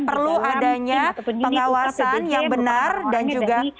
perlu adanya pengawasan yang benar dan juga